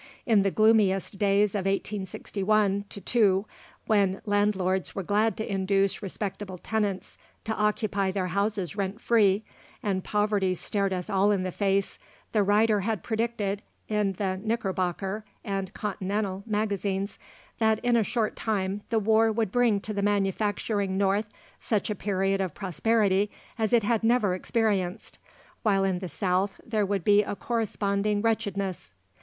In the gloomiest days of 1861 2, when landlords were glad to induce respectable tenants to occupy their houses rent free, and poverty stared us all in the face, the writer had predicted, in the "Knickerbocker" and "Continental" Magazines, that, in a short time, the war would bring to the manufacturing North such a period of prosperity as it had never experienced, while in the South there would be a corresponding wretchedness.